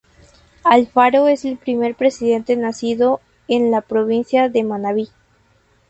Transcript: Alfaro es el primer presidente nacido en la provincia de Manabí.